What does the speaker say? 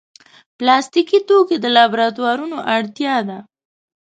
پلاستيکي توکي د لابراتوارونو اړتیا ده.